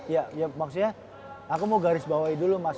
ya maksudnya aku mau garis bawahi dulu mas